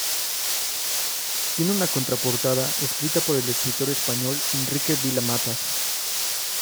Tiene una contraportada escrita por el escritor español Enrique Vila-Matas.